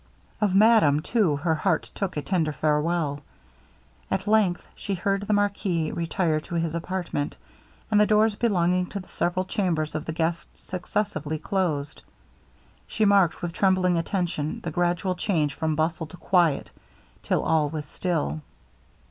Of madame, too, her heart took a tender farewell. At length she heard the marquis retire to his apartment, and the doors belonging to the several chambers of the guests successively close. She marked with trembling attention the gradual change from bustle to quiet, till all was still.